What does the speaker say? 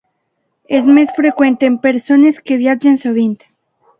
És més freqüent en persones que viatgen sovint.